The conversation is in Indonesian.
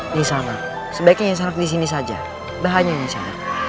nisa nak sebaiknya nisa nak disini saja bahannya nisa nak